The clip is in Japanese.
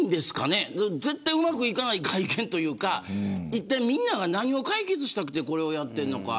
絶対うまくいかない会見というか一体みんなは何を解決したくてこれをやっているのか。